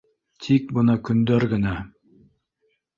Тик бына көндәр генә